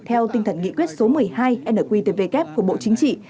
theo tinh thần nghị quyết số một mươi hai nqtvk của bộ chính trị